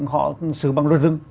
họ xử bằng luật rừng